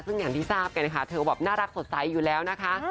ซึ่งอย่างที่ทราบกันนะคะเธอแบบน่ารักสดใสอยู่แล้วนะคะ